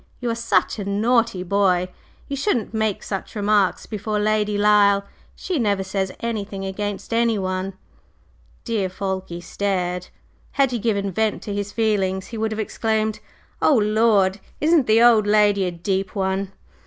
You are such a naughty boy! You shouldn't make such remarks before Lady Lyle. She never says anything against anyone!" "Dear Fulke" stared. Had he given vent to his feelings he would have exclaimed: "Oh, Lord! isn't the old lady a deep one!"